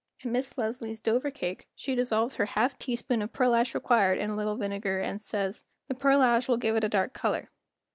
In Miss Leslie's Dover Cake she dissolves her half teaspoon of pearlash required in a little vinegar, and says, "The pearlash will give it a dark color."